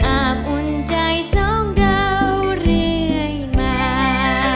อาบอุ่นใจทรงเราเรื่อยมา